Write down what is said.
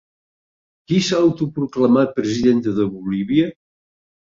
Qui s'ha autoproclamat presidenta de Bolívia?